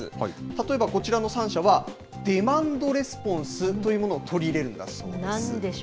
例えばこちらの３社は、デマンドレスポンスというのを取り入れるんだそうです。